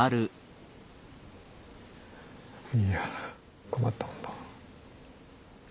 いや困ったもんだ。